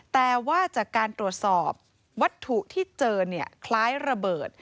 แต่ว่าจากการตรวจสอบวัตถุที่เจอเนี่ยคล้ายระเบิด